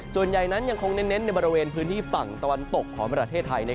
ส่วนใหญ่นั้นยังคงเน้นในบริเวณพื้นที่ฝั่งตะวันตกของประเทศไทย